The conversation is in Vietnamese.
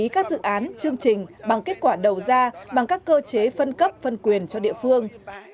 các dự án chương trình bằng kết quả đầu ra bằng các cơ chế phân cấp phân quyền cho địa phương